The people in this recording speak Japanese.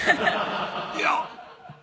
「いや」